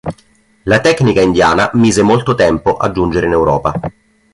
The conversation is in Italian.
La tecnica indiana mise molto tempo a giungere in Europa.